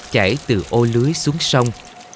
chảy từ ô lưới xuống sông